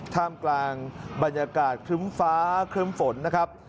ท่ามกลางบรรยากาศครึ้มฟ้าครึ้มฝนนะครับ